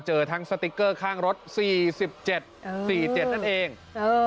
เจอทั้งสติ๊กเกอร์ข้างรถสี่สิบเจ็ดสี่เจ็ดนั่นเองเออ